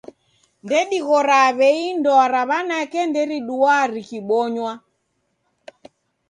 Ndedighroaa w'ei ndoa ra w'anake nderiduaa rikibonywa.